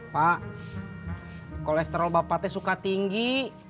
pak kolesterol bapak teh suka tinggi